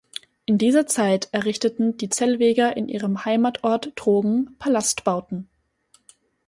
In dieser Zeit errichteten die Zellweger in ihrem Heimatort Trogen Palastbauten.